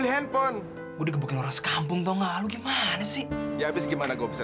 handphone udah kebuk orang sekampung toh ngalu gimana sih ya abis gimana gua bisa